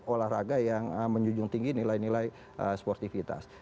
olahraga yang menjunjung tinggi nilai nilai sportivitas